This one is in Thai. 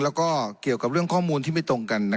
แล้วก็เกี่ยวกับเรื่องข้อมูลที่ไม่ตรงกัน